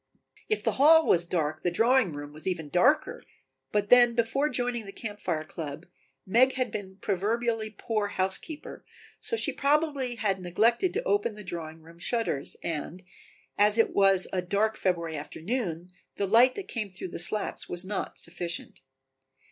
If the hall was dark the drawing room was even darker, but then before joining the Camp Fire club Meg had been a proverbially poor housekeeper, so she probably had neglected to open the drawing room shutters and, as it was a dark February afternoon, the light that came through the slats was not sufficient.